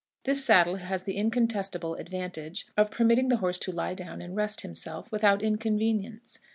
This saddle has the incontestable advantage of permitting the horse to lie down and rest himself without inconvenience.